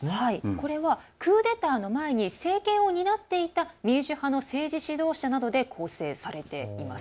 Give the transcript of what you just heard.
これはクーデターの前に政権を担っていた民主派の政治指導者などで構成されています。